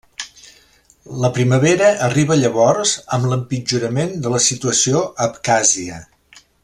La primavera arriba llavors amb l'empitjorament de la situació a Abkhàzia.